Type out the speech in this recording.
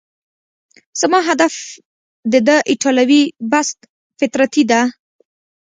زما هدف د ده ایټالوي پست فطرتي ده.